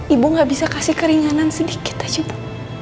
ibu tidak bisa memberi keringanan sedikit saja bu